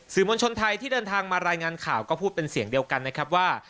มวลชนไทยที่เดินทางมารายงานข่าวก็พูดเป็นเสียงเดียวกันนะครับว่า